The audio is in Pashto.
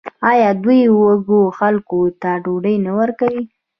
آیا دوی وږو خلکو ته ډوډۍ نه ورکوي؟